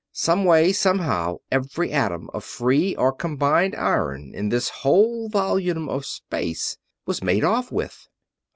Someway, somehow, every atom of free or combined iron in this whole volume of space was made off with."